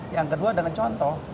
yang kedua dengan contoh